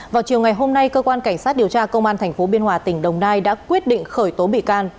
vào chiều ngày hôm nay cơ quan cảnh sát điều tra công an tp biên hòa tỉnh đồng nai đã quyết định khởi tố bị can